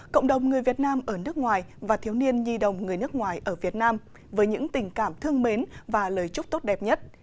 cộng đồng người việt nam ở nước ngoài và thiếu niên nhi đồng người nước ngoài ở việt nam với những tình cảm thương mến và lời chúc tốt đẹp nhất